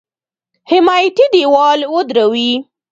حمایتي دېوال ودروي.